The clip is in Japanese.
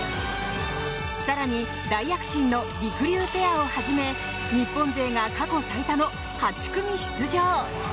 更に、大躍進のりくりゅうペアをはじめ日本勢が過去最多の８組出場。